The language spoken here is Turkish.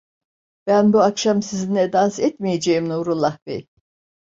Ben Bu akşam sizinle dans etmeyeceğim Nurullah bey.